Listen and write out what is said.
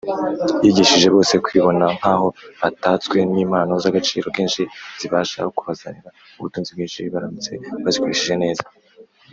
Yigishije bose kwibona nk’aho batatswe n’impano z’agaciro kenshi, zibasha kubazanira ubutunzi bwinshi baramutse bazikoresheje neza